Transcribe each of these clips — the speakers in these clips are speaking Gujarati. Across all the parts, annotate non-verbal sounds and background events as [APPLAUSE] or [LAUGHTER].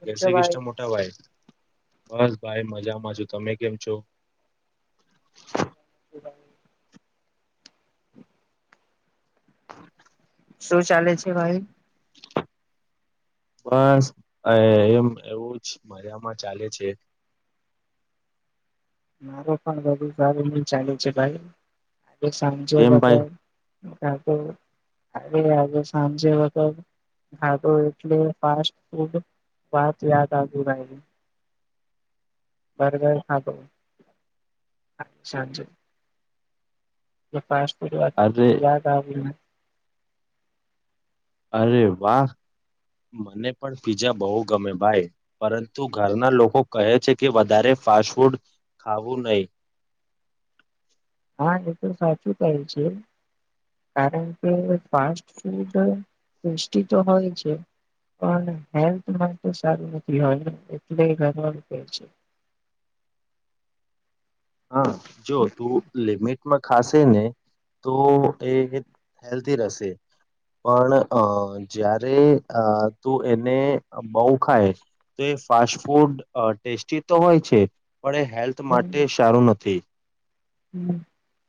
કેમ જસે છો કિશસ્ટ ભાઈ? મોટા હો એ બસ ભાઈ મજામાં છુ તમે કેમ છો [UNINTELLIGIBLE] [UNINTELLIGIBLE] શું ચાલે છે ભાઈ બસ એમ એવું જ મજામાં ચાલે છે મારો પણ બુ સારું નહી ચાલે છે ભાઈ આજે સમજો બ કેમ ત ભાઈ તો હ આજે સાંજે વગરો એટલે ફાસ ફૂડ વાત યાદ આ દુ બરાબર હા બા સાજો પાચટ વા અરે યાદ આવ અરે વાહ. મને પણ પીજા બહુ ગમે ભાઈ પરંતુ ઘરના લોકો કહે છે કે વધારે ફાસ્ટફૂડ ખાવું નઈ. હા, એ તો સાચું કહ્યુ છે. કારણ કે ફાસ્ટ ફૂડ ટેસ્ટી તો હોય છે. પણ હેલ્થમાં તો સારું નથી હોય એટલે ઘરવાળુ કે છે. [INAUDIBLE] હા, જો તું લિમિટમાં ખાશે ને તો એ હેલ્ધી રહેશે. પણ અ જ્યારે અ તું એને બઉ ખાય તો એ ફાસ્ટ ફૂડ ટેસ્ટી તો હોય છે. પણ એ હેલ્થ માટે સારું નથી. હમ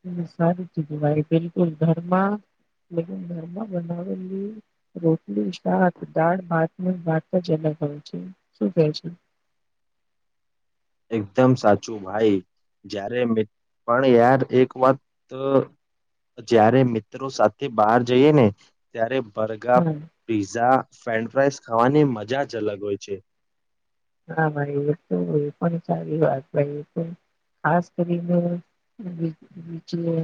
હમ એ સારું ચીધુ ભાઈ બિલકુલ. ઘરમાં ઘરમાં બનાવેલી રોટલી, શાક દાળ, ભાત ને ભાત જ હોય છે. શું કે છે? [INAUDIBLE] એકદમ સાચું ભાઈ જ્યારે મિત પણ યાર એક વાત અ જયારે મિત્રો સાથે બહાર જઈએ ને ત્યારે બર્ગા, હા પીઝા, ફ્રેન્ડ ફ્રાઇઝ ખાવાની મજા જ અલગ હોય છે. હા, મારે એ તો એ પણ સારી વાત ભાઈ એ તો ખાસ કરીને [UNINTELLIGIBLE]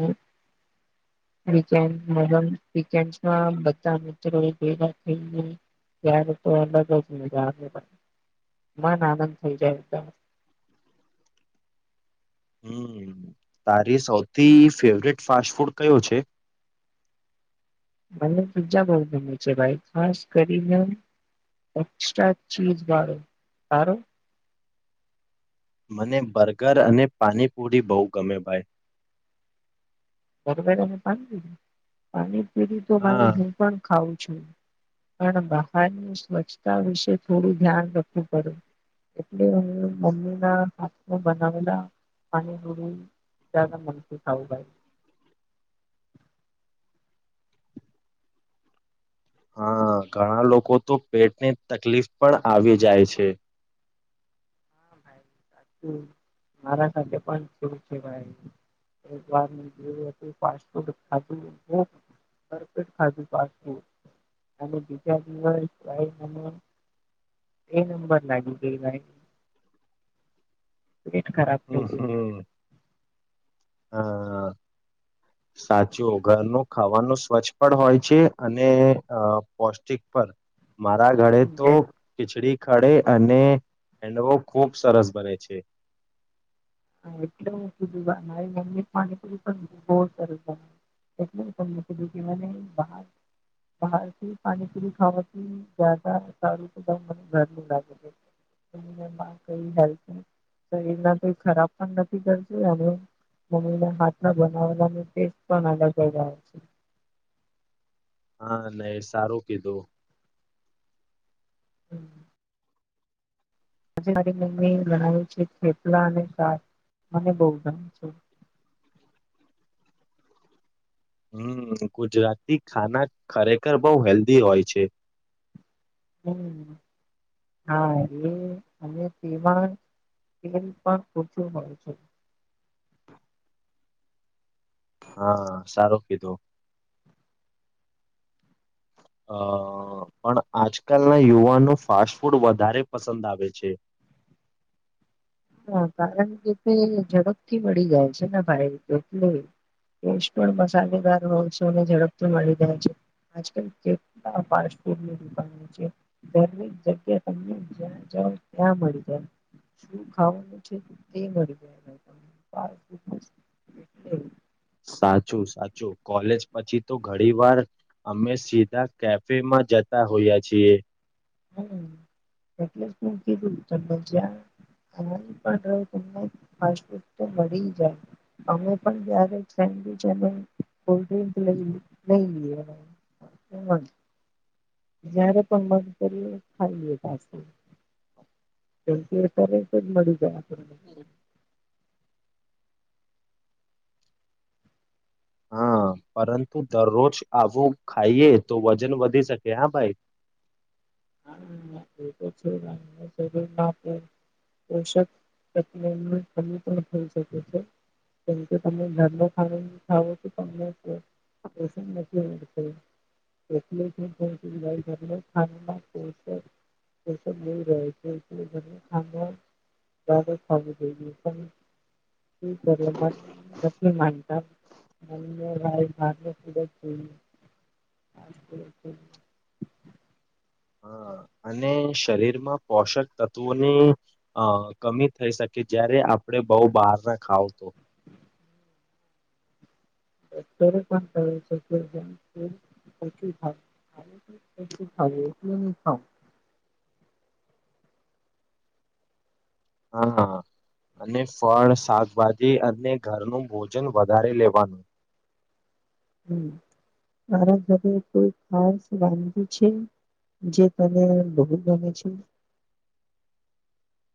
વિકેન્ડ [UNINTELLIGIBLE] વેકેન્ડ્સમાં બધા મિત્રોએ ભેગા થઈ ને ત્યારે તો અલગ જ મજા આવેલા. મન આનંદ થઈ જાય [UNINTELLIGIBLE] હમ, તારી સૌથી ફેવરેટ ફાસ્ટ ફૂડ કયો છે? [INAUDIBLE] મને બીજા બઉ ગમે છે ભાઈ ખાસ કરીને એકસ્ટ્રા ચીજ બાળો આરો. મને બર્ગર અને પાનપુરી બઉ ગમે ભાઈ. બરોબર અને પાણી પુરી. પાણી પુરી તો હા ભાઈ હું પણ ખાઉ છું. પણ બહારની સ્વચ્છતા વિશે થોડું ધ્યાન રખવું પડે. એટલે હું મમ્મીના હાથમાં બનાવેલા પાણી પુરી જયાદા મનથી ખાવું ભાઈ. હા, ઘણા લોકો તો પેટને તકલીફ પણ આવી જાય છે. હા ભાઈ [INAUDIBLE] સાચું મારા સાથે પણ થયુ છે ભાઈ. અને બારનું જેવું હતું ફાસ્ટ ફૂડ ખાધું [UNINTELLIGIBLE] ભરપેટ ખાધું ફાસ્ટ ફૂડ અને બીજા દિવસ ભાઈ મને એ નંબર લાગી ગઈ ભાઈ. પેટ ખરાબ થઈ હમ ગયું હમ. મારું. હા. સાચું, ઘરનું ખાવાનું સ્વચ્છ પણ હોય છે અને અ પૌષ્ટિક પણ. મારા ઘરે તો ખિચડી ખડે અને હેન્ડવો ખૂબ સરસ બને છે. હન, એટલે હુ કીધુ મારી મમ્મી પાણી પુરી પણ બઉ સરસ બનાવે. એટલે હુ તમને કીધુ કે મને બહાર બહારથી પાણીપુરી ખાવાથી જયાદા સારું તો ભાઈ મને ઘરું લાગે છે. [UNINTELLIGIBLE] શરીર કઈ ખરાબ પણ નથી કરતુ અને મમ્મીને હાથના બનાવેલાનો ટેસ્ટ પણ અલગ જ આવે છે. [INAUDIBLE] હા નહી સારું કીધું [INAUDIBLE] આજે મારી મમ્મી ગણાવ્યું છે થેપલા અને સાત મને બહ ગણ છે હમ ગુજરાતી ખાના ખરેખર બહ હેલ્ધી હોય છે હમ હા એ અને તેમાં એ પણ પૂછું મળ છે [INAUDIBLE] હા સારું કીધું આ પણ આજકાલના યુવાનો ફાસ્ટ ફૂડ વધારે પસંદ આવે છે હા કારણ કે તે ઝડપથી વી જાય છે ને ભાઈ રીતે એટલે કો પણસાલી વા રોસો ને ઝડપથી મળી જાય છે આલ કેટડ દુનો છે જગ્યા ત ક્યાં મળી જ ખાવાનું છે તે મળી ગાય સાચું સાચું કોલેજ પછી તો ઘણી વાર અમે સીધા કેફેમાં જ જતા હોયા છીએ કે દૂર ત બજ્યા આ પણ તમને મળી જાય અમે પણ જ કોલ્્રક લઈ નહી જયારે પણ મગ કરીએ ખાઈ પા તો જ મળી જાય આપ હમ હા પરંતુ દરરોજ આવું ખાઈએ તો વજન વધી શકે હા ભાઈ [UNINTELLIGIBLE] [INAUDIBLE] હા એ તો છે પોષક પ્ર ખ થઈ શકે છે કેમ કે તમે ઘર ન ખાવા ખાવો છમને [INAUDIBLE] [UNINTELLIGIBLE] પો પોષ રહે છે એટ ખા ત તો ખઈ શ કર મ ની નતા ભાઈ ભાર ખધ હા બ હા, અને શરીરમાં પોષક તત્વોની અ કમી થઈ શકે જય્યારે આપણે આપ બહુ બહાર નાને ખાવ તોું ડોકરે પણ ક છે કે ીી ભ એ ખાાવ [UNINTELLIGIBLE] [INAUDIBLE] હા હા હા અને ફળ શાકભાજી અને ઘરનું ભોજન વધારે લેવાનું [UNINTELLIGIBLE] [INAUDIBLE] હમ મારા ઘરે કોઈ ખાસ વાગી છે જે તલે બહુત ભ છ [UNINTELLIGIBLE] [INAUDIBLE]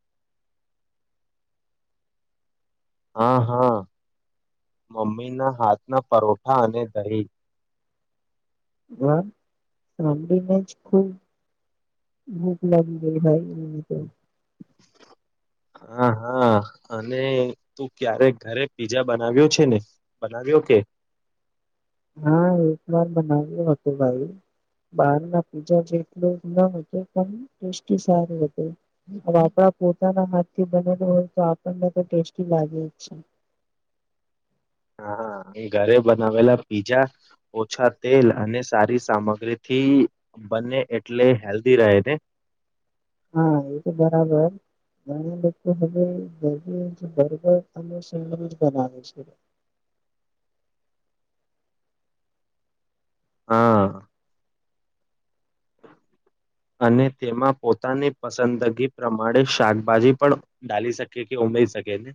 હા હા મમ્મીના હાથના પરોઠા અને દહીં વા સાંભળીને જ ખુબ ભૂખ લાગી ગઈ ભાઈ એ તો હા હા અને તું ક્યારેક ઘરે પીજા બનાવ્યો છે ને આ કેવુ કે હા એક વાર બનાવીએ વપુભાઈ બાર ના પીજા જેટલ ના [UNINTELLIGIBLE] પોતાના હાથથી બનેલુ હોય તો આપણને તો ટેસ્ટી લાગે છે. [UNINTELLIGIBLE] હા ઘરે બનાવેલા પીજા ઓછા તેલ અને સારી સામગ્રીથી બને એટલે હેલ્ધી રહે ને હા એતો બરાબર ઘણા લોકો હવે [UNINTELLIGIBLE] બનાવે છે. [UNINTELLIGIBLE] હા [INAUDIBLE] અને તેમાં પોતાની પસંદગી પ્રમાણે શાકભાજી પણ ડાલી શકે કે [UNINTELLIGIBLE] શકેને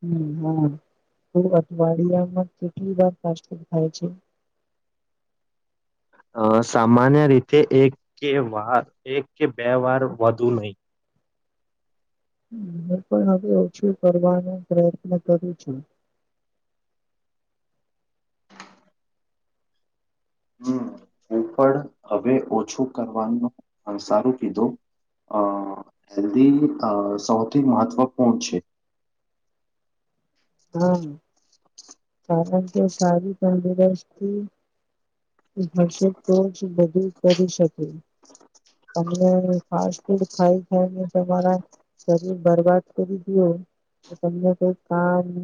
હમ હમ તો અઠવાડિયામાં કેટલી વાર [UNINTELLIGIBLE] થાય છે. અ સામાન્ય રીતે એક કે વા એક કે બે વાર વધુ નય હું પણ હવે ઓછું કરવાનો પ્રયત્ન કરું છું. [UNINTELLIGIBLE] હમ હુ પણ હવે ઓછું કરવાનું અંસારું કીધો અ હેલ્ધી સૌથી અ મહત્વપૂર્ણ છે. હા કારણ કે સારી તંદુરસ્તી હશે તો જ બધું કરી શકે તમને ફાસ્ટ ફૂડ ખાય [UNINTELLIGIBLE] તમારા શરીર બરબાદ કરી દીયો તમને કોઈ કામ [UNINTELLIGIBLE]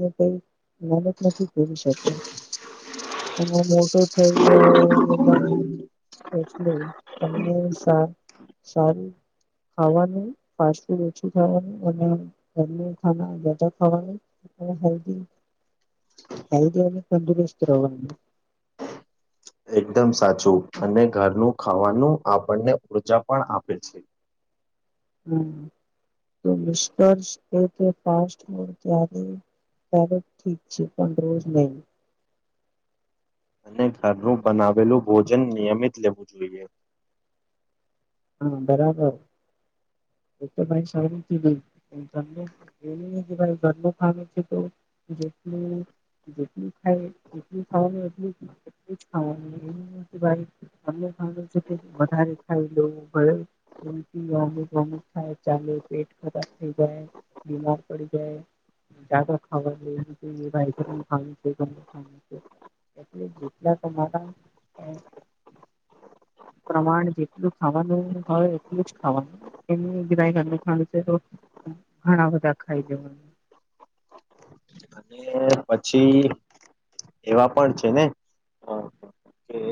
નથી કરી શકતા મોટું થઇ ગયો હોય એટલે તમને સા સારું ખાવાનું ફાસ્ટ ફૂડ ઓછુ ખાવાનુ [UNINTELLIGIBLE] ખાવાનું [UNINTELLIGIBLE] હલ્દી તંદુરસ્ત રવાનુ એકદમ સાચું અને ઘરનું ખાવાનું આપણને ઉર્જા પણ આપે છે. હ તો નિષ્કર્ષ એ કે ફાસ્ટ ફૂડ ત્યારે [UNINTELLIGIBLE] ઠીક છે પણ રોજ નહી અને ઘરનું બનાવેલું ભોજન નિયમિત લેવું જોઈએ. હા બરાબર [UNINTELLIGIBLE] એ તો ભાઈ સારું થી નઈ પણ ઘર એ કે ભાઈ ઘરનું ખાવ છે તો જેટલુ જેટલું ખાય જેટલું ખાવાનું એટલું એટલું જ ખાવાનું એ ભાઈ અને [UNINTELLIGIBLE] કે વધારે ખાઈ લેવું ઉલટી વામુ થાય ચાલે પેટ ખરાબ થઈ જાય બીમાર પડી જાય. [INAUDIBLE] એટલે જેટલા તમારા પ્રમાણ જેટલું ખાવાનું હ એટલું જ ખાવાનું [UNINTELLIGIBLE] તો ઘણા બધા ખાઈ જવા [UNINTELLIGIBLE] અને પછી એવા પણ છે ને અ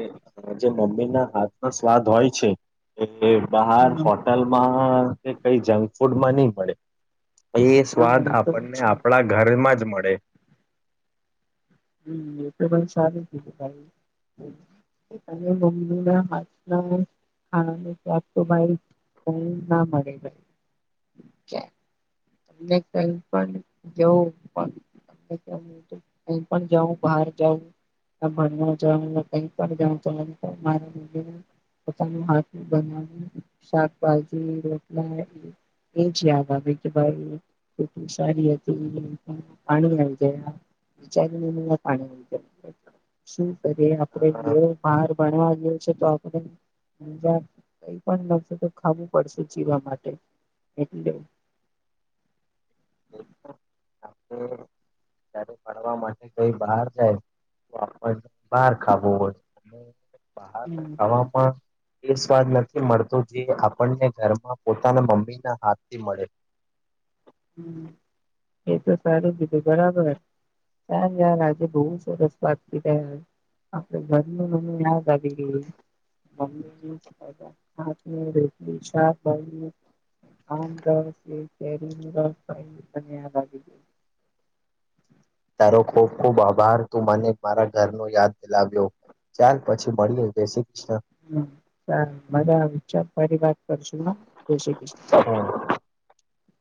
અ, જે મમ્મી ના હાથમાં સ્વાદ હોય છે. બહાર હોટલમાં કે કઈ જંક ફૂડમાં નહી મળે એ હા સ્વાદ હા એ તો આપણને છે આપણા ઘરમાં જ મળે. હમ એ તો પણ સારુંું ભાઈ. અને મમ્મી ના હાથના આણંદું મા ના મળે [INAUDIBLE] તમને કઈ પણ જવું [INAUDIBLE] જાઉ બહાર જાઉ [INAUDIBLE] ભણ કઈક જવું મારે [INAUDIBLE] પોતાનું હાથ બનાવ શાકભાજી રોટલા [INAUDIBLE] એજ યાદ આવે કે ભાઈ એટલી સારી હતી પાણી આવીઈ ગયા. ચારિ પાણી શું કરીએ આપડે હા લેવ [INAUDIBLE] ભણવા ગયો છે તો આપણે જ કઈ પણ નશે તો ખાવું પડશે જીવા માટે [INAUDIBLE] હમ [INAUDIBLE] [UNINTELLIGIBLE] [INAUDIBLE] જ્યારે માટે કઈ બહાર જાય તો બહાર ખાવું હો બહાર ના હમ ખાવા પણ એ સ્વાદ નથી મળતો જે આપણને ઘરમાં પોતાના મમ્મીના હાથથી મળે. [UNINTELLIGIBLE] [INAUDIBLE] એ તો સારું કીધું બરાબર. યાર યાર આજે બહુ સરસ વાત કરી રહ્યા છે. અપે ઘરની બહુ યાદ આવી ગઈ. મમ્મીની રોટલી શાક. આમ રસ એ કેરી. [INAUDIBLE] તારો ખૂબ ખુબ આભાર તું મને મારા ઘરનો યાદ દેલાવ્યો. ચાલ પછી મળીએ જય શ્રી કૃષ્ણ હ બધા વિચાર ફરી વાત કરશું ના જય શ્રી કૃષ્ણ. [INAUDIBLE]